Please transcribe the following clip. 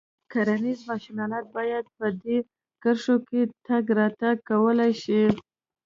کرنیز ماشین آلات باید په دې کرښو کې تګ راتګ وکولای شي.